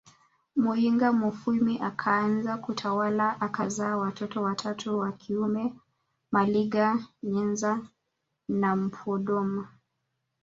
Muyinga mufwimi akaanza kutawala akazaa watoto watatu wa kiume Maliga Nyenza na Mpondwa